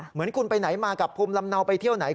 เหมือนคุณไปไหนมากับภูมิลำเนาไปเที่ยวไหน